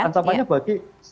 jadi cukup berancamannya bagi